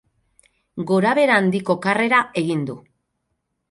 Gorabehera handiko karrera egin du.